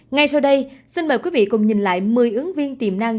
ngay sau đây xin mời quý vị cùng nhìn lại một mươi ứng viên tiềm năng